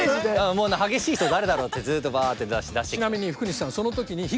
もう激しい人誰だろうってずっとバーッて出してきた。